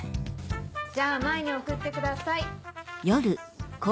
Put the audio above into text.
じゃあ前に送ってください。